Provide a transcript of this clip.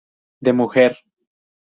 De Mujer.